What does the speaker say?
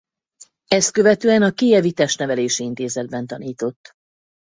Ezt követően a Kijevi Testnevelési Intézetben tanított.